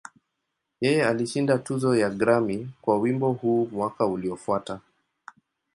Yeye alishinda tuzo ya Grammy kwa wimbo huu mwaka uliofuata.